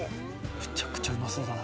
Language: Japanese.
むちゃくちゃうまそうだな。